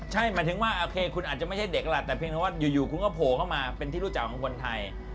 ใช่หมายถึงว่าโอเคคุณอาจจะไม่ใช่เด็กล่ะแต่เพียงเพราะว่าอยู่คุณก็โผล่เข้ามาเป็นที่รู้จักของคนไทย